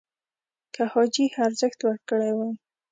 که حاجي ارزښت ورکړی وای